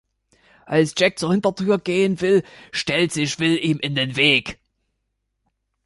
Als Jack zur Hintertür gehen will, stellt sich Will ihm in den Weg.